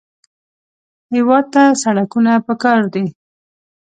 هېواد ته سړکونه پکار دي